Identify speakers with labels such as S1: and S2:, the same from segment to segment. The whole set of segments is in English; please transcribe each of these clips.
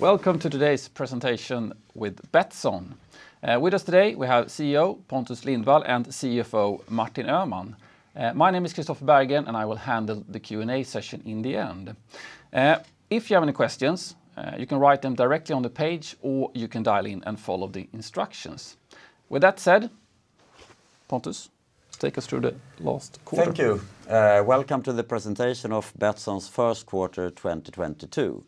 S1: Welcome to today's presentation with Betsson. With us today we have CEO Pontus Lindwall and CFO Martin Öhman. My name is [Kristoffer Berg] and I will handle the Q&A session in the end. If you have any questions, you can write them directly on the page, or you can dial in and follow the instructions. With that said, Pontus, take us through the last quarter.
S2: Thank you. Welcome to the presentation of Betsson's first quarter 2022.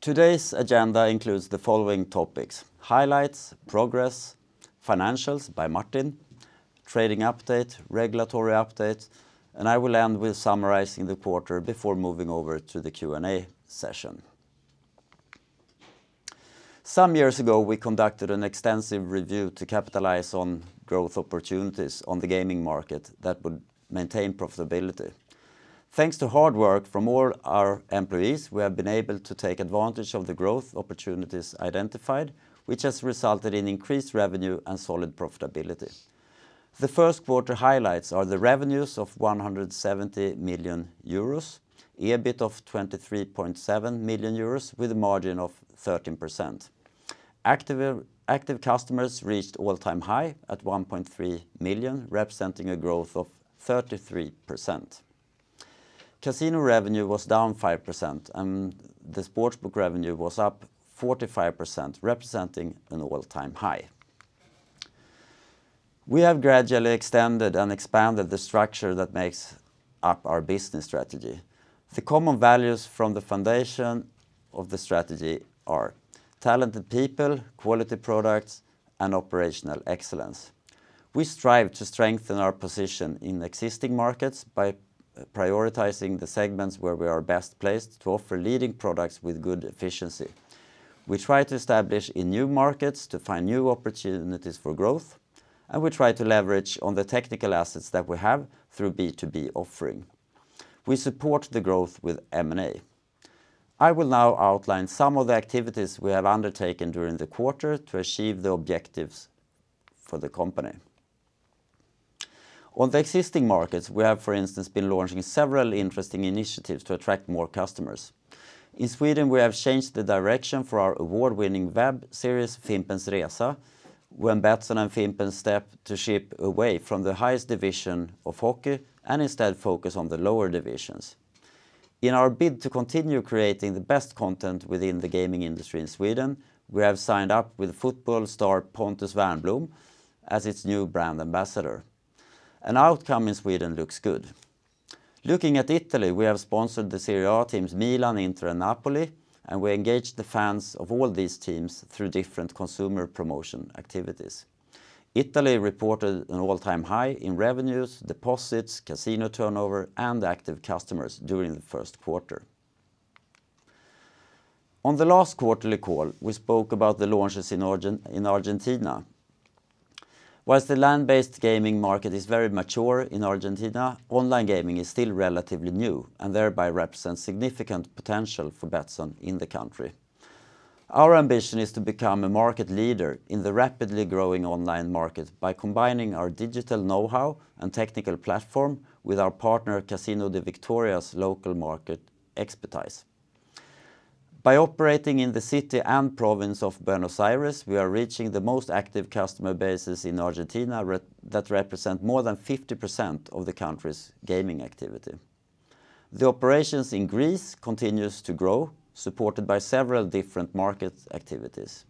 S2: Today's agenda includes the following topics, highlights, progress, financials by Martin Öhman, trading update, regulatory update, and I will end with summarizing the quarter before moving over to the Q&A session. Some years ago, we conducted an extensive review to capitalize on growth opportunities on the gaming market that would maintain profitability. Thanks to hard work from all our employees, we have been able to take advantage of the growth opportunities identified, which has resulted in increased revenue and solid profitability. The first quarter highlights are the revenues of 170 million euros, EBIT of 23.7 million euros with a margin of 13%. Active customers reached all-time high at 1.3 million, representing a growth of 33%. Casino revenue was down 5%, and the sports book revenue was up 45%, representing an all-time high. We have gradually extended and expanded the structure that makes up our business strategy. The common values from the foundation of the strategy are talented people, quality products, and operational excellence. We strive to strengthen our position in existing markets by prioritizing the segments where we are best placed to offer leading products with good efficiency. We try to establish in new markets to find new opportunities for growth, and we try to leverage on the technical assets that we have through B2B offering. We support the growth with M&A. I will now outline some of the activities we have undertaken during the quarter to achieve the objectives for the company. On the existing markets, we have, for instance, been launching several interesting initiatives to attract more customers. In Sweden, we have changed the direction for our award-winning web series, Fimpens Resa, when Betsson and Fimpen shift away from the highest division of hockey and instead focus on the lower divisions. In our bid to continue creating the best content within the gaming industry in Sweden, we have signed up with football star Pontus Wernbloom as its new brand ambassador, and outcome in Sweden looks good. Looking at Italy, we have sponsored the Serie A teams Milan, Inter, and Napoli, and we engaged the fans of all these teams through different consumer promotion activities. Italy reported an all-time high in revenues, deposits, casino turnover, and active customers during the first quarter. On the last quarterly call, we spoke about the launches in Argentina. While the land-based gaming market is very mature in Argentina, online gaming is still relatively new and thereby represents significant potential for Betsson in the country. Our ambition is to become a market leader in the rapidly growing online market by combining our digital know-how and technical platform with our partner Casino de Victoria's local market expertise. By operating in the city and province of Buenos Aires, we are reaching the most active customer bases in Argentina that represent more than 50% of the country's gaming activity. The operations in Greece continues to grow, supported by several different market activities,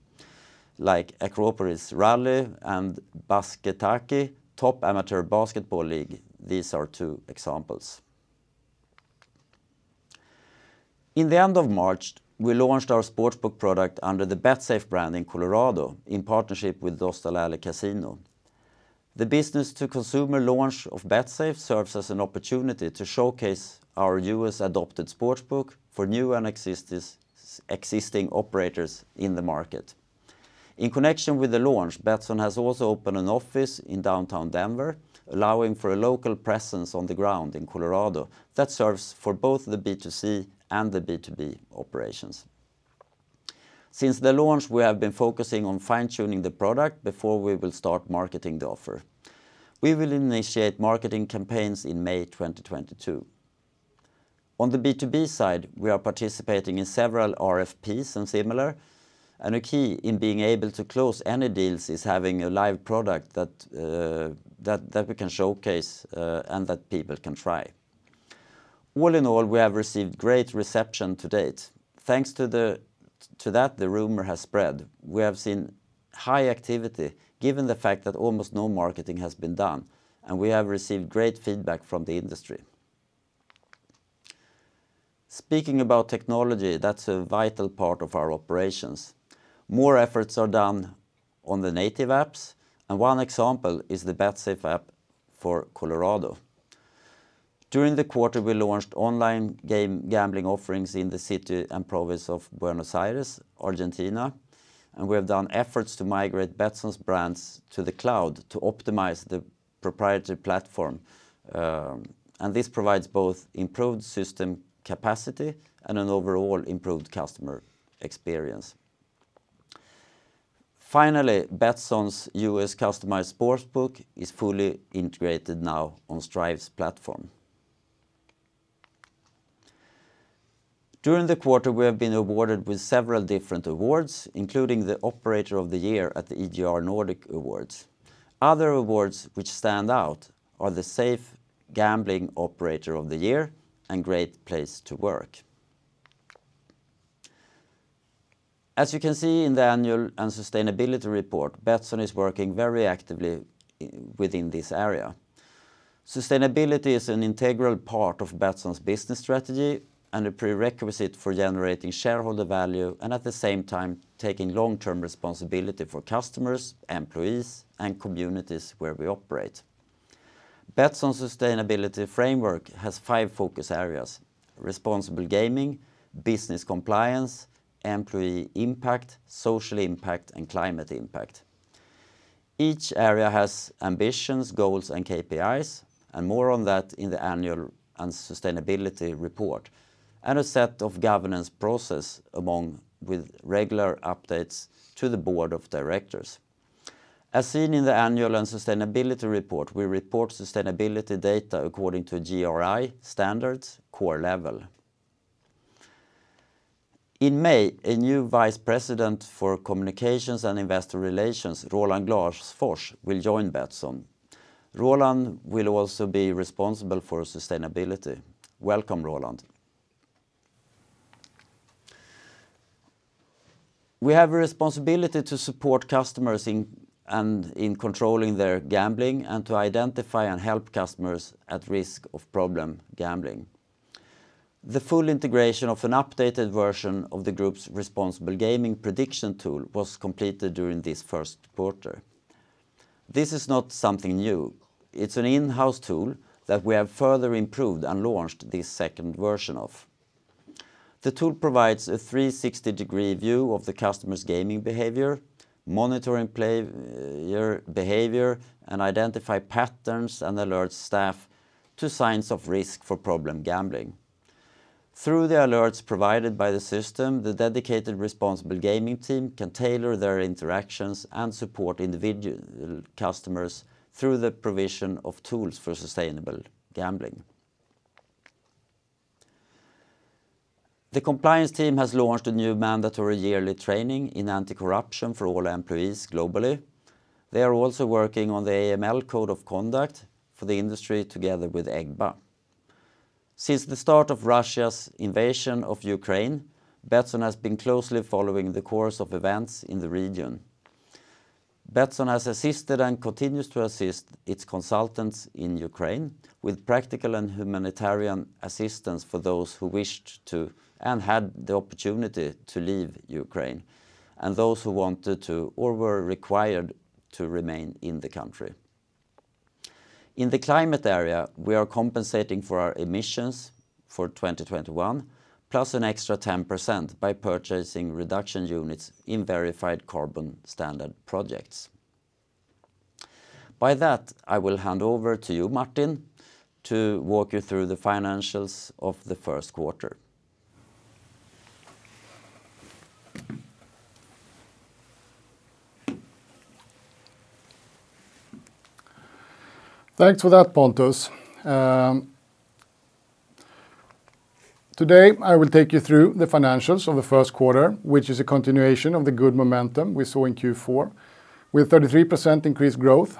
S2: like Acropolis Rally and Basket League, top amateur basketball league. These are two examples. In the end of March, we launched our sports book product under the Betsafe brand in Colorado in partnership with Dostal Alley Casino. The business-to-consumer launch of Betsafe serves as an opportunity to showcase our US-adapted sports book for new and existing operators in the market. In connection with the launch, Betsson has also opened an office in downtown Denver, allowing for a local presence on the ground in Colorado that serves for both the B2C and the B2B operations. Since the launch, we have been focusing on fine-tuning the product before we will start marketing the offer. We will initiate marketing campaigns in May 2022. On the B2B side, we are participating in several RFPs and similar, and a key in being able to close any deals is having a live product that we can showcase and that people can try. All in all, we have received great reception to date. Thanks to that, the rumor has spread. We have seen high activity given the fact that almost no marketing has been done, and we have received great feedback from the industry. Speaking about technology, that's a vital part of our operations. More efforts are done on the native apps, and one example is the Betsafe app for Colorado. During the quarter, we launched online gambling offerings in the city and province of Buenos Aires, Argentina, and we have done efforts to migrate Betsson's brands to the cloud to optimize the proprietary platform, and this provides both improved system capacity and an overall improved customer experience. Finally, Betsson's US customized sports book is fully integrated now on Strive Gaming's platform. During the quarter, we have been awarded with several different awards, including the Operator of the Year at the EGR Nordics Awards. Other awards which stand out are the Safe Gambling Operator of the Year and Great Place to Work. As you can see in the annual and sustainability report, Betsson is working very actively within this area. Sustainability is an integral part of Betsson's business strategy and a prerequisite for generating shareholder value and, at the same time, taking long-term responsibility for customers, employees, and communities where we operate. Betsson sustainability framework has five focus areas, responsible gaming, business compliance, employee impact, social impact, and climate impact. Each area has ambitions, goals, and KPIs, and more on that in the annual and sustainability report, and a set of governance process with regular updates to the board of directors. As seen in the annual and sustainability report, we report sustainability data according to GRI standards core level. In May, a new Vice President for communications and investor relations, Roland Glasfors, will join Betsson. Roland will also be responsible for sustainability. Welcome, Roland. We have a responsibility to support customers in controlling their gambling and to identify and help customers at risk of problem gambling. The full integration of an updated version of the group's responsible gaming prediction tool was completed during this first quarter. This is not something new. It's an in-house tool that we have further improved and launched this second version of. The tool provides a 360-degree view of the customer's gaming behavior, monitoring player behavior, and identify patterns and alerts staff to signs of risk for problem gambling. Through the alerts provided by the system, the dedicated responsible gaming team can tailor their interactions and support individual customers through the provision of tools for sustainable gambling. The compliance team has launched a new mandatory yearly training in anti-corruption for all employees globally. They are also working on the AML code of conduct for the industry together with EGBA. Since the start of Russia's invasion of Ukraine, Betsson has been closely following the course of events in the region. Betsson has assisted and continues to assist its consultants in Ukraine with practical and humanitarian assistance for those who wished to and had the opportunity to leave Ukraine, and those who wanted to or were required to remain in the country. In the climate area, we are compensating for our emissions for 2021 plus an extra 10% by purchasing reduction units in verified carbon standard projects. By that, I will hand over to you, Martin, to walk you through the financials of the first quarter.
S3: Thanks for that, Pontus. Today, I will take you through the financials of the first quarter, which is a continuation of the good momentum we saw in Q4 with 33% increased growth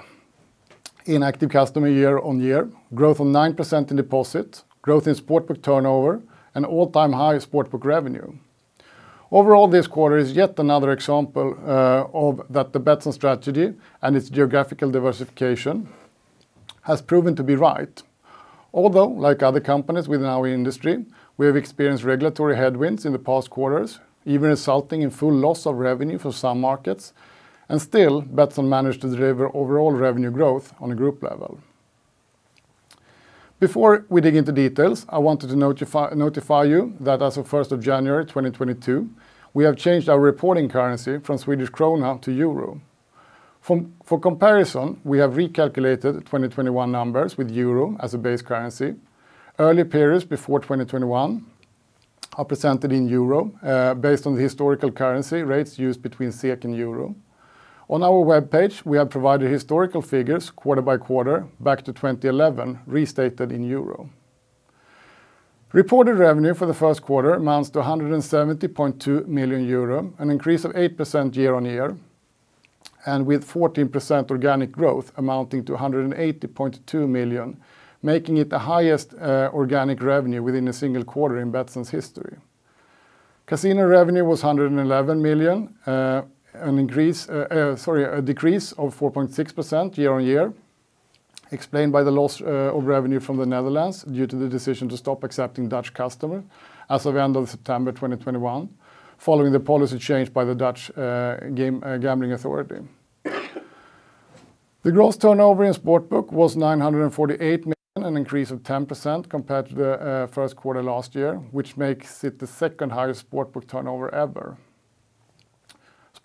S3: in active customer year-on-year, growth of 9% in deposit, growth in sportsbook turnover, and all-time high sportsbook revenue. Overall, this quarter is yet another example of that the Betsson strategy and its geographical diversification has proven to be right. Although, like other companies within our industry, we have experienced regulatory headwinds in the past quarters, even resulting in full loss of revenue for some markets, and still Betsson managed to deliver overall revenue growth on a group level. Before we dig into details, I wanted to notify you that as of January 1, 2022, we have changed our reporting currency from Swedish krona to euro. For comparison, we have recalculated 2021 numbers with euro as a base currency. Early periods before 2021 are presented in euro, based on the historical currency rates used between SEK and euro. On our webpage, we have provided historical figures quarter by quarter back to 2011, restated in euro. Reported revenue for the first quarter amounts to 170.2 million euro, an increase of 8% year-on-year, and with 14% organic growth amounting to 180.2 million, making it the highest organic revenue within a single quarter in Betsson's history. Casino revenue was 111 million, a decrease of 4.6% year-on-year, explained by the loss of revenue from the Netherlands due to the decision to stop accepting Dutch customer as of end of September 2021, following the policy change by the Dutch gambling authority. The gross turnover in sportsbook was 948 million, an increase of 10% compared to the first quarter last year, which makes it the second-highest sportsbook turnover ever.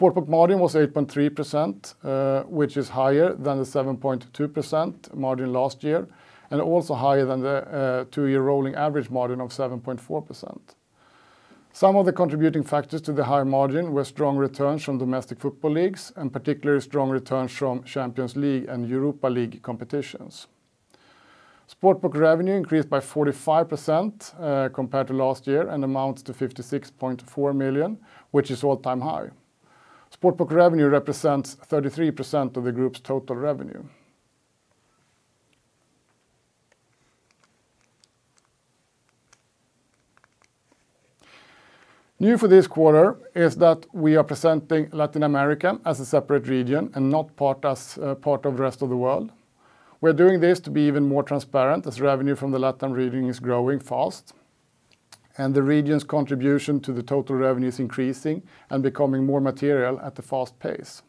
S3: Sportsbook margin was 8.3%, which is higher than the 7.2% margin last year and also higher than the two-year rolling average margin of 7.4%. Some of the contributing factors to the high margin were strong returns from domestic football leagues, and particularly strong returns from Champions League and Europa League competitions. Sportsbook revenue increased by 45%, compared to last year and amounts to 56.4 million, which is all-time high. Sportsbook revenue represents 33% of the group's total revenue. New for this quarter is that we are presenting Latin America as a separate region and not part of the rest of the world. We're doing this to be even more transparent as revenue from the LatAm region is growing fast, and the region's contribution to the total revenue is increasing and becoming more material at a fast pace.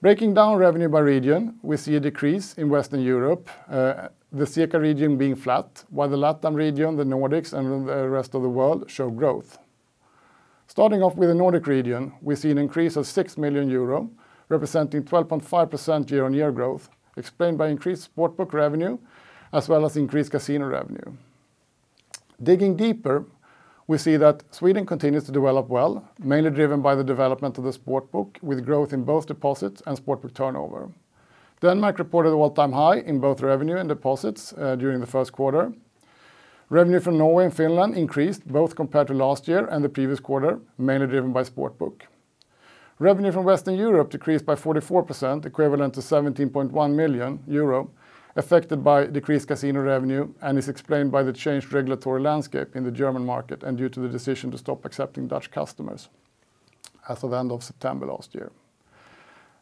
S3: Breaking down revenue by region, we see a decrease in Western Europe, the CEECA region being flat, while the LatAm region, the Nordics, and the rest of the world show growth. Starting off with the Nordic region, we see an increase of 6 million euro, representing 12.5% year-on-year growth, explained by increased sports book revenue as well as increased casino revenue. Digging deeper, we see that Sweden continues to develop well, mainly driven by the development of the sports book, with growth in both deposits and sports book turnover. Denmark reported all-time high in both revenue and deposits during the first quarter. Revenue from Norway and Finland increased both compared to last year and the previous quarter, mainly driven by sportsbook. Revenue from Western Europe decreased by 44%, equivalent to 17.1 million euro, affected by decreased casino revenue, and is explained by the changed regulatory landscape in the German market and due to the decision to stop accepting Dutch customers as of end of September last year.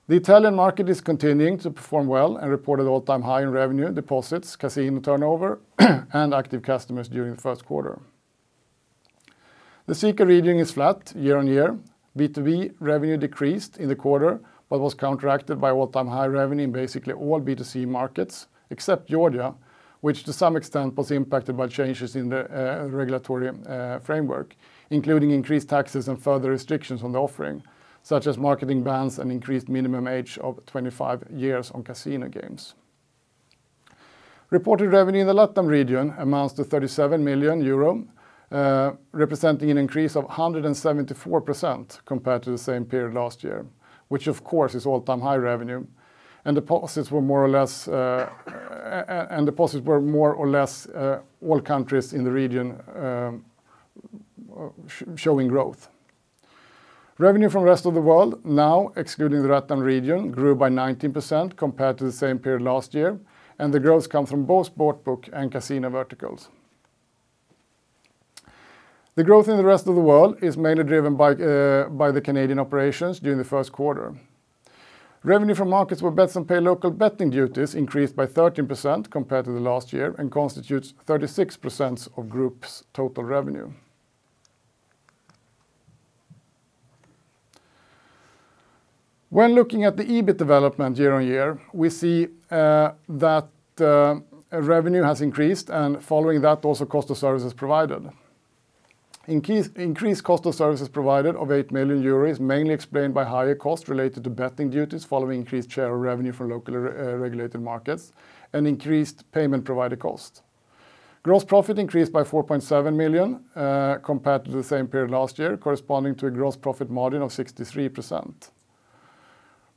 S3: The Italian market is continuing to perform well and reported all-time high in revenue, deposits, casino turnover, and active customers during the first quarter. The CEECA region is flat year-on-year. B2B revenue decreased in the quarter, but was counteracted by all-time high revenue in basically all B2C markets except Georgia, which to some extent was impacted by changes in the regulatory framework, including increased taxes and further restrictions on the offering, such as marketing bans and increased minimum age of 25 years on casino games. Reported revenue in the LatAm region amounts to 37 million euro, representing an increase of 174% compared to the same period last year, which of course is all-time high revenue. Deposits were more or less all countries in the region showing growth. Revenue from rest of the world now excluding the LatAm region grew by 19% compared to the same period last year, and the growth come from both sports book and casino verticals. The growth in the rest of the world is mainly driven by the Canadian operations during the first quarter. Revenue from markets where Betsson pays local betting duties increased by 13% compared to last year and constitutes 36% of group's total revenue. When looking at the EBIT development year-on-year, we see that revenue has increased and following that also cost of services provided. Increased cost of services provided of 8 million euros, mainly explained by higher cost related to betting duties following increased share of revenue from local regulated markets and increased payment provider cost. Gross profit increased by 4.7 million compared to the same period last year, corresponding to a gross profit margin of 63%.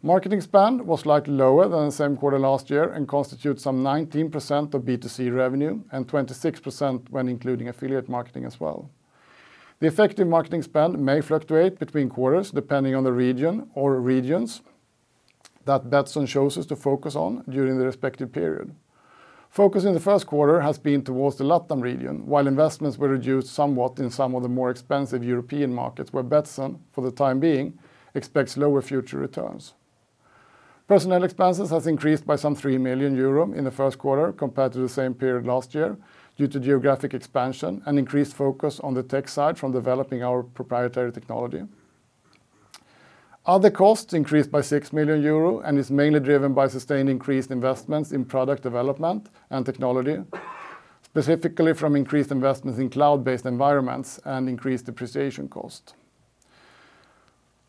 S3: Marketing spend was slightly lower than the same quarter last year and constitutes some 19% of B2C revenue and 26% when including affiliate marketing as well. The effective marketing spend may fluctuate between quarters depending on the region or regions that Betsson chooses to focus on during the respective period. Focus in the first quarter has been towards the LatAm region, while investments were reduced somewhat in some of the more expensive European markets where Betsson, for the time being, expects lower future returns. Personnel expenses has increased by some 3 million euro in the first quarter compared to the same period last year, due to geographic expansion and increased focus on the tech side from developing our proprietary technology. Other costs increased by 6 million euro and is mainly driven by sustained increased investments in product development and technology, specifically from increased investments in cloud-based environments and increased depreciation cost.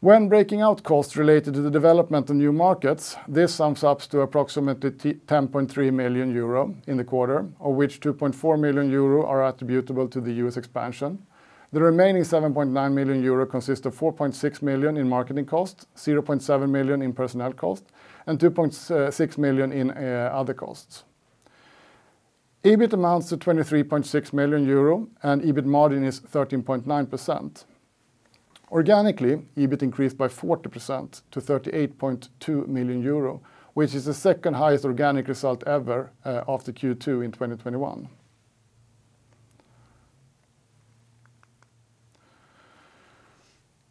S3: When breaking out costs related to the development of new markets, this sums up to approximately 10.3 million euro in the quarter, of which 2.4 million euro are attributable to the US expansion. The remaining 7.9 million euro consists of 4.6 million in marketing costs, 0.7 million in personnel cost, and 2.6 million in other costs. EBIT amounts to 23.6 million euro, and EBIT margin is 13.9%. Organically, EBIT increased by 40% to 38.2 million euro, which is the second highest organic result ever, after Q2 in 2021.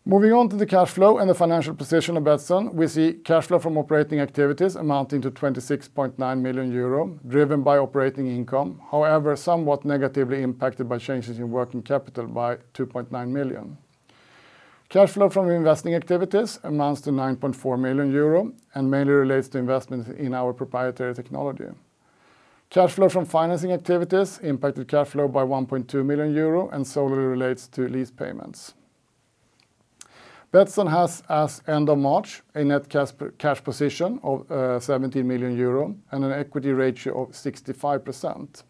S3: Moving on to the cash flow and the financial position of Betsson, we see cash flow from operating activities amounting to 26.9 million euro, driven by operating income, however, somewhat negatively impacted by changes in working capital by 2.9 million. Cash flow from investing activities amounts to 9.4 million euro and mainly relates to investments in our proprietary technology. Cash flow from financing activities impacted cash flow by 1.2 million euro and solely relates to lease payments. Betsson has as end of March a net cash position of 17 million euro and an equity ratio of 65%.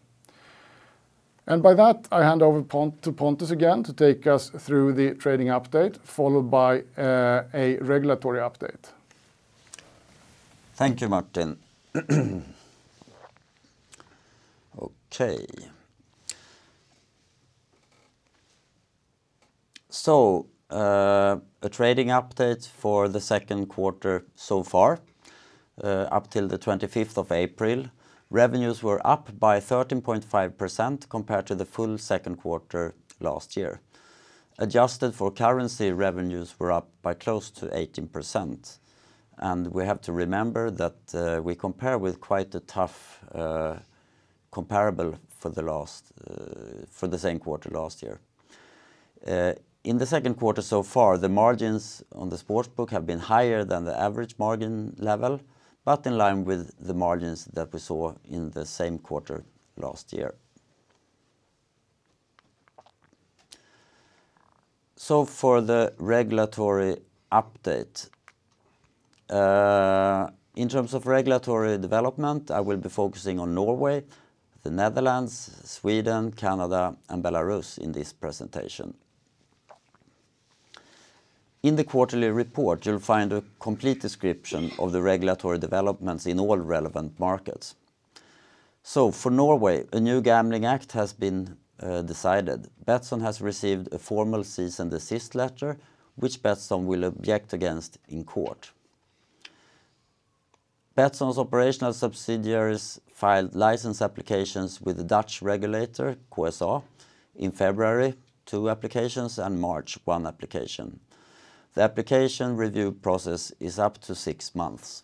S3: By that, I hand over to Pontus again to take us through the trading update, followed by a regulatory update.
S2: Thank you, Martin. Okay. A trading update for the second quarter so far, up till the 25th of April. Revenues were up by 13.5% compared to the full second quarter last year. Adjusted for currency, revenues were up by close to 18%, and we have to remember that, we compare with quite a tough comparable for the same quarter last year. In the second quarter so far, the margins on the sports book have been higher than the average margin level, but in line with the margins that we saw in the same quarter last year. For the regulatory update. In terms of regulatory development, I will be focusing on Norway, the Netherlands, Sweden, Canada, and Belarus in this presentation. In the quarterly report, you'll find a complete description of the regulatory developments in all relevant markets. For Norway, a new gambling act has been decided. Betsson has received a formal cease and desist letter, which Betsson will object against in court. Betsson's operational subsidiaries filed license applications with the Dutch regulator, KSA. In February, two applications, in March, one application. The application review process is up to six months.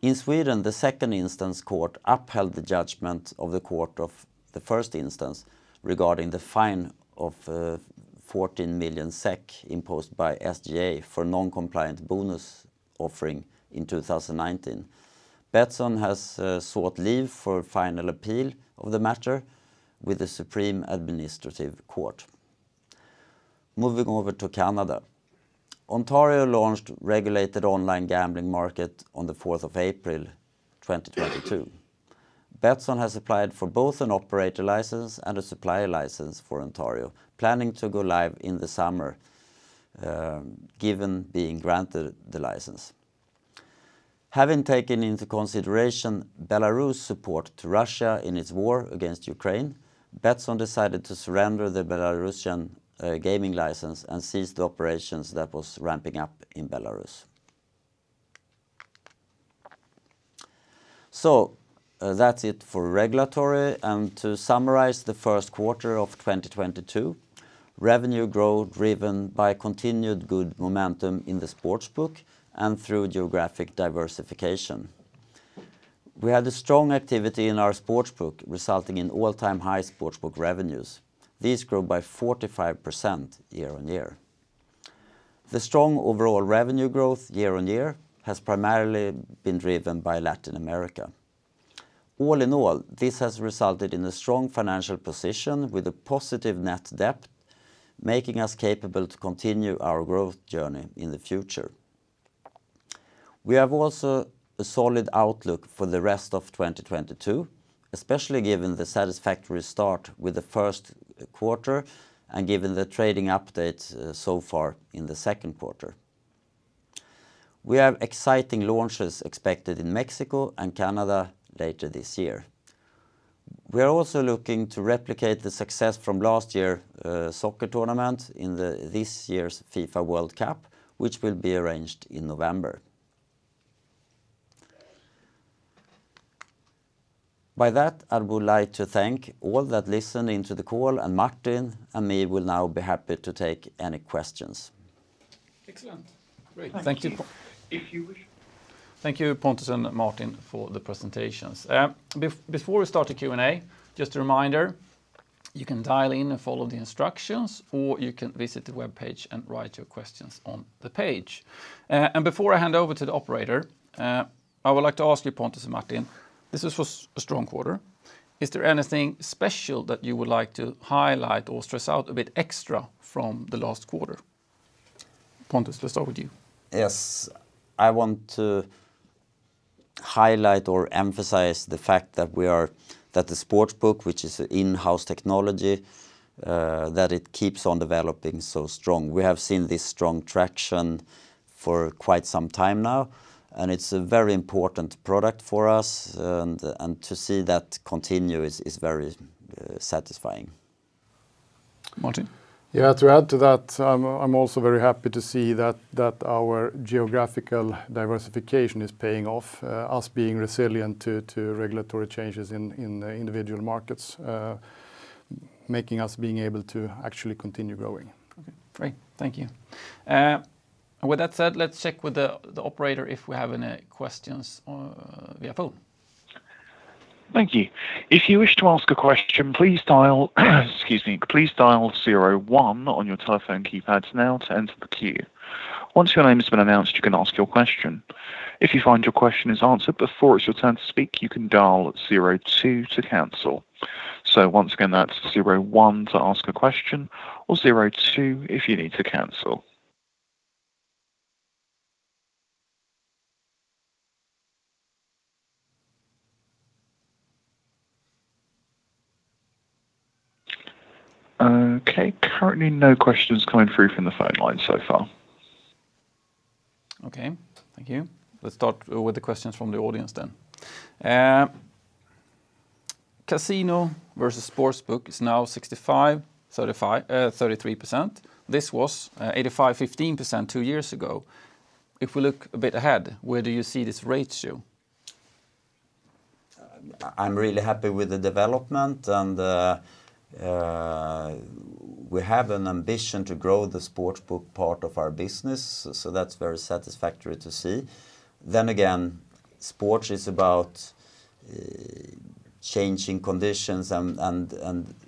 S2: In Sweden, the second instance court upheld the judgment of the court of the first instance regarding the fine of 14 million SEK imposed by SGA for non-compliant bonus offering in 2019. Betsson has sought leave for final appeal of the matter with the Supreme Administrative Court. Moving over to Canada. Ontario launched regulated online gambling market on the 4th of April, 2022. Betsson has applied for both an operator license and a supplier license for Ontario, planning to go live in the summer given being granted the license. Having taken into consideration Belarus' support to Russia in its war against Ukraine, Betsson decided to surrender the Belarusian gaming license and cease the operations that was ramping up in Belarus. That's it for regulatory. To summarize the first quarter of 2022, revenue growth driven by continued good momentum in the sports book and through geographic diversification. We had a strong activity in our sports book, resulting in all-time high sports book revenues. These grew by 45% year-over-year. The strong overall revenue growth year-over-year has primarily been driven by Latin America. All in all, this has resulted in a strong financial position with a positive net debt, making us capable to continue our growth journey in the future. We have also a solid outlook for the rest of 2022, especially given the satisfactory start with the first quarter and given the trading updates, so far in the second quarter. We have exciting launches expected in Mexico and Canada later this year. We are also looking to replicate the success from last year, this year's FIFA World Cup, which will be arranged in November. By that, I would like to thank all that listened into the call, and Martin and me will now be happy to take any questions.
S1: Excellent. Great.
S2: Thank you.
S3: If you wish.
S1: Thank you, Pontus and Martin, for the presentations. Before we start the Q&A, just a reminder, you can dial in and follow the instructions, or you can visit the webpage and write your questions on the page. Before I hand over to the operator, I would like to ask you, Pontus and Martin, this was a strong quarter. Is there anything special that you would like to highlight or stress out a bit extra from the last quarter? Pontus, let's start with you.
S2: Yes. I want to highlight or emphasize the fact that the sports book, which is an in-house technology, that it keeps on developing so strong. We have seen this strong traction for quite some time now, and it's a very important product for us, and to see that continue is very satisfying.
S1: Martin?
S3: Yeah, to add to that, I'm also very happy to see that our geographical diversification is paying off, us being resilient to regulatory changes in the individual markets, making us being able to actually continue growing.
S1: Okay. Great. Thank you. With that said, let's check with the operator if we have any questions via phone.
S4: Thank you. If you wish to ask a question, please dial zero one on your telephone keypads now to enter the queue. Once your name has been announced, you can ask your question. If you find your question is answered before it's your turn to speak, you can dial zero two to cancel. Once again, that's zero one to ask a question, or zero two if you need to cancel. Okay, currently no questions coming through from the phone line so far.
S1: Okay. Thank you. Let's start with the questions from the audience then. Casino versus sportsbook is now 65%:33%. This was 85%:15% two years ago. If we look a bit ahead, where do you see this ratio?
S2: I'm really happy with the development and we have an ambition to grow the sportsbook part of our business, so that's very satisfactory to see. Sports is about changing conditions and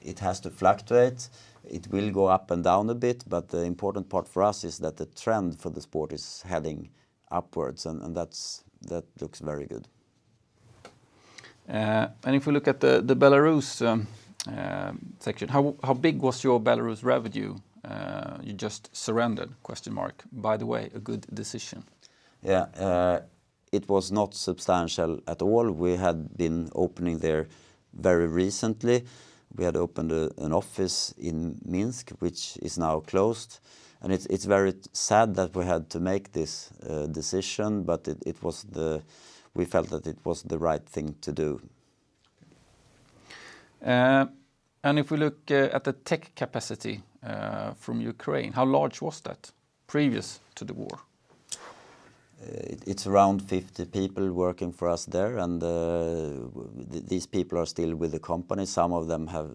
S2: it has to fluctuate. It will go up and down a bit, but the important part for us is that the trend for the sport is heading upwards and that looks very good.
S1: If we look at the Belarus section, how big was your Belarus revenue? You just surrendered? By the way, a good decision.
S2: Yeah. It was not substantial at all. We had been opening there very recently. We had opened an office in Minsk, which is now closed, and it's very sad that we had to make this decision, but we felt that it was the right thing to do.
S1: If we look at the tech capacity from Ukraine, how large was that previous to the war?
S2: It's around 50 people working for us there, and these people are still with the company. Some of them have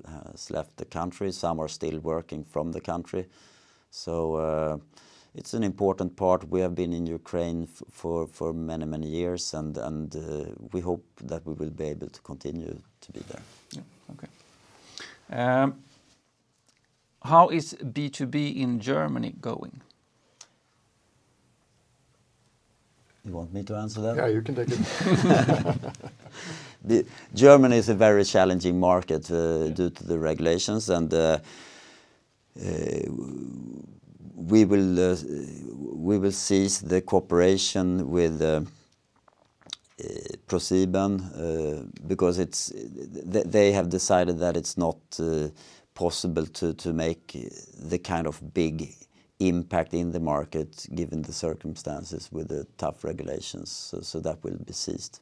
S2: left the country, some are still working from the country. It's an important part. We have been in Ukraine for many years and we hope that we will be able to continue to be there.
S1: Yeah. Okay. How is B2B in Germany going?
S2: You want me to answer that?
S3: Yeah, you can take it.
S2: Germany is a very challenging market, due to the regulations and we will cease the cooperation with ProSieben, because they have decided that it's not possible to make the kind of big impact in the market given the circumstances with the tough regulations. That will be ceased.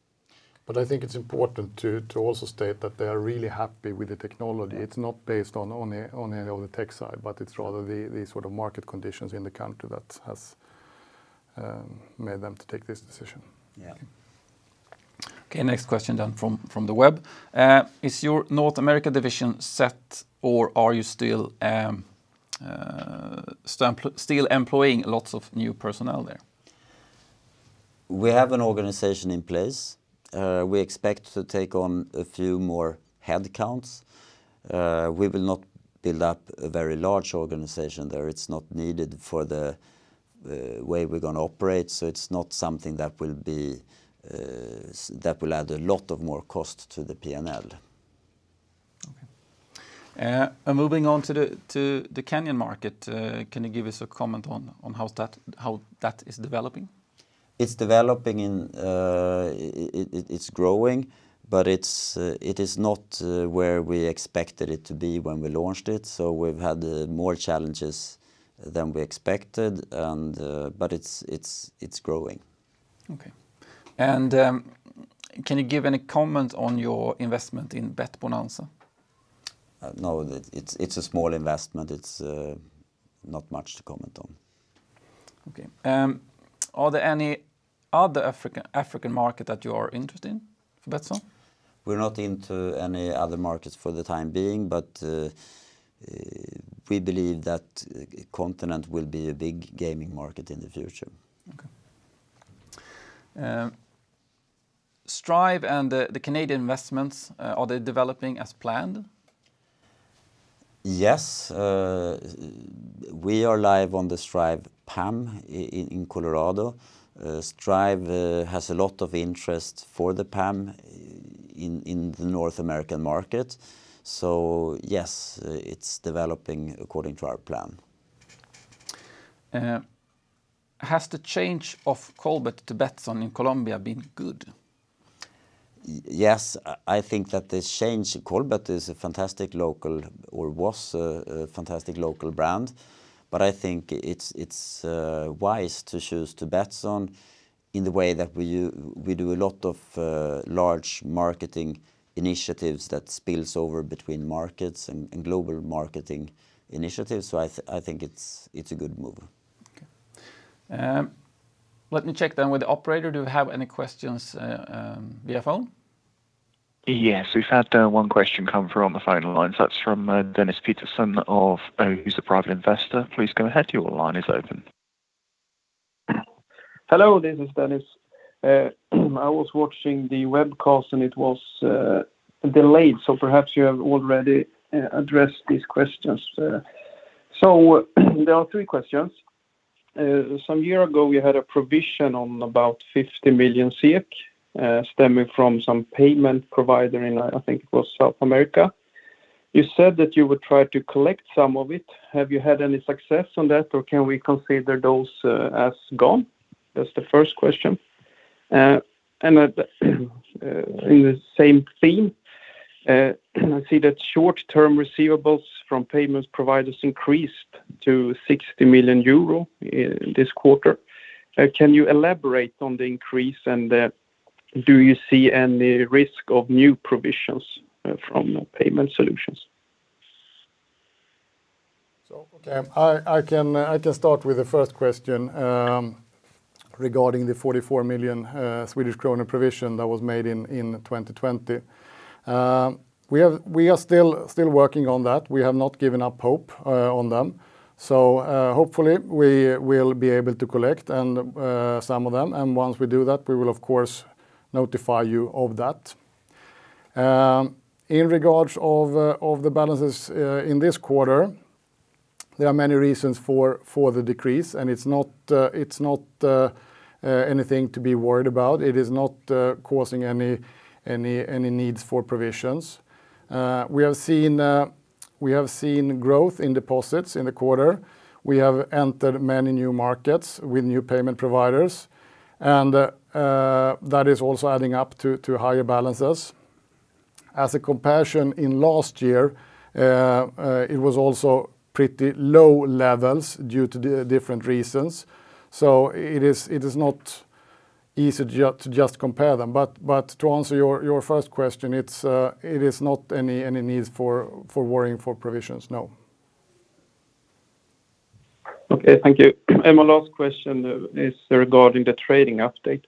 S3: I think it's important to also state that they are really happy with the technology.
S2: Yeah.
S3: It's not based on the tech side, but it's rather the sort of market conditions in the country that has made them to take this decision.
S2: Yeah.
S1: Okay, next question from the web. Is your North America division set, or are you still employing lots of new personnel there?
S2: We have an organization in place. We expect to take on a few more headcounts. We will not build up a very large organization there. It's not needed for the way we're gonna operate, so it's not something that will add a lot of more cost to the P&L.
S1: Okay. Moving on to the Kenyan market, can you give us a comment on how that is developing?
S2: It's developing and it's growing, but it is not where we expected it to be when we launched it, so we've had more challenges than we expected and it's growing.
S1: Okay. Can you give any comment on your investment in betBonanza?
S2: No. It's a small investment. It's not much to comment on.
S1: Okay. Are there any other African market that you are interested in for Betsson?
S2: We're not into any other markets for the time being, but we believe that continent will be a big gaming market in the future.
S1: Okay. Strive and the Canadian investments, are they developing as planned?
S2: Yes. We are live on the Strive PAM in Colorado. Strive has a lot of interest in the PAM in the North American market. Yes, it's developing according to our plan.
S1: Has the change of Colbet to Betsson in Colombia been good?
S2: Yes. I think that this change, Colbet is a fantastic local or was a fantastic local brand, but I think it's wise to choose to Betsson in the way that we do a lot of large marketing initiatives that spills over between markets and global marketing initiatives. I think it's a good move.
S1: Okay. Let me check then with the operator. Do you have any questions via phone?
S4: Yes, we've had one question come through on the phone lines. That's from Dennis Peterson, a private investor. Please go ahead, your line is open.
S5: Hello, this is Dennis. I was watching the webcast and it was delayed, so perhaps you have already addressed these questions. There are three questions. Some year ago we had a provision on about 50 million stemming from some payment provider in, I think it was South America. You said that you would try to collect some of it. Have you had any success on that, or can we consider those as gone? That's the first question. At the, in the same theme, I see that short-term receivables from payments providers increased to 60 million euro in this quarter. Can you elaborate on the increase, and do you see any risk of new provisions from Payment Solutions?
S3: Okay. I can start with the first question regarding the 44 million Swedish kronor provision that was made in 2020. We are still working on that. We have not given up hope on them. Hopefully we will be able to collect some of them. Once we do that, we will of course notify you of that. In regards to the balances in this quarter, there are many reasons for the decrease, and it's not anything to be worried about. It is not causing any needs for provisions. We have seen growth in deposits in the quarter. We have entered many new markets with new payment providers and that is also adding up to higher balances. As a comparison, in last year, it was also pretty low levels due to the different reasons, so it is not easy just to compare them. To answer your first question, it is not any needs for worrying for provisions, no.
S5: Okay, thank you. My last question is regarding the trading update.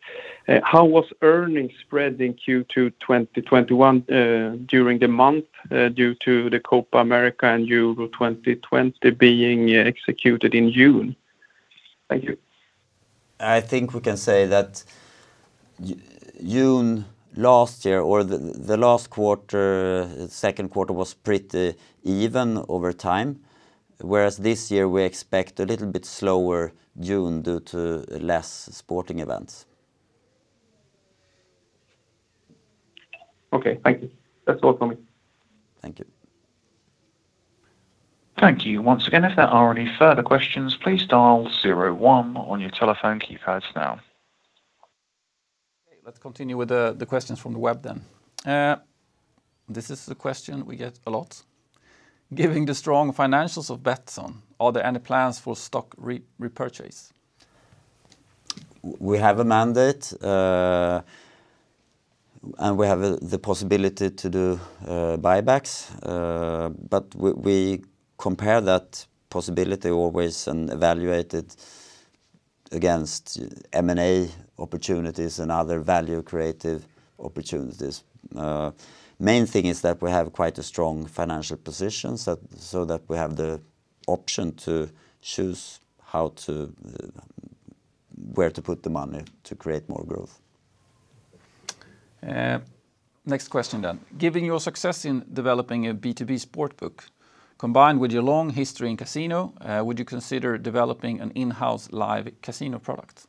S5: How was earnings spread in Q2 2021 during the month due to the Copa América and Euro 2020 being executed in June? Thank you.
S2: I think we can say that June last year, or the last quarter, second quarter was pretty even over time, whereas this year we expect a little bit slower June due to less sporting events.
S5: Okay, thank you. That's all for me.
S2: Thank you.
S4: Thank you once again. If there are any further questions, please dial star one on your telephone keypads now.
S1: Okay, let's continue with the questions from the web then. This is the question we get a lot. Given the strong financials of Betsson, are there any plans for stock repurchase?
S2: We have a mandate, and we have the possibility to do buybacks. We compare that possibility always and evaluate it against M&A opportunities and other value-creative opportunities. Main thing is that we have quite a strong financial position so that we have the option to choose how to, where to put the money to create more growth.
S1: Next question. Given your success in developing a B2B sportsbook, combined with your long history in casino, would you consider developing an in-house live casino product?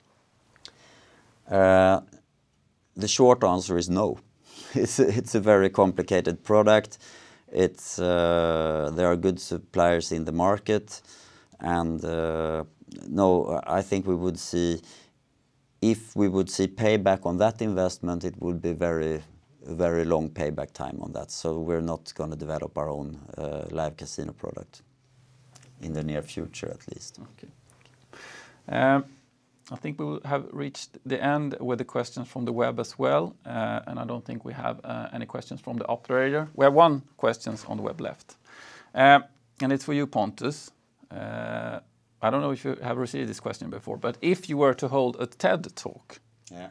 S2: The short answer is no. It's a very complicated product. There are good suppliers in the market. No, I think if we would see payback on that investment, it would be a very long payback time on that, so we're not gonna develop our own live casino product in the near future at least.
S1: Okay. I think we have reached the end with the questions from the web as well. I don't think we have any questions from the operator. We have one questions on the web left, and it's for you, Pontus. I don't know if you have received this question before, but if you were to hold a TED Talk-
S2: Yeah.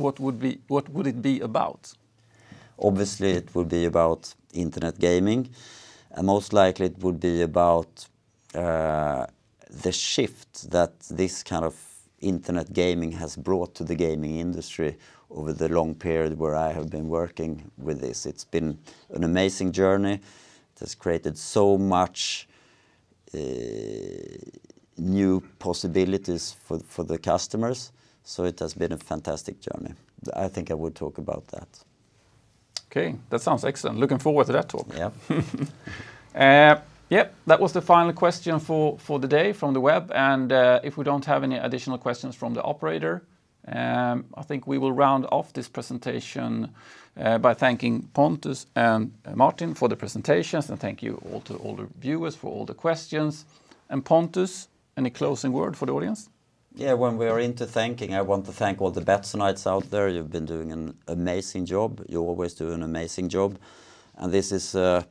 S1: What would it be about?
S2: Obviously, it would be about internet gaming, and most likely it would be about the shift that this kind of internet gaming has brought to the gaming industry over the long period where I have been working with this. It's been an amazing journey. It has created so much new possibilities for the customers, so it has been a fantastic journey. I think I would talk about that.
S1: Okay. That sounds excellent. Looking forward to that talk.
S2: Yeah.
S1: Yep. That was the final question for the day from the web, and if we don't have any additional questions from the operator, I think we will round off this presentation by thanking Pontus and Martin for the presentations, and thank you all to all the viewers for all the questions. Pontus, any closing word for the audience?
S2: Yeah, when we are into thanking, I want to thank all the Betssonites out there. You've been doing an amazing job. You always do an amazing job, and this is a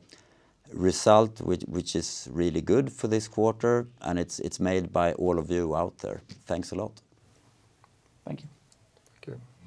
S2: result which is really good for this quarter, and it's made by all of you out there. Thanks a lot.
S1: Thank you.
S3: Thank you.